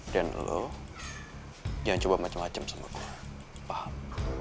dan lo jangan coba macem macem sama gue paham